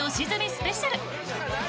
スペシャル。